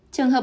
trường hợp ba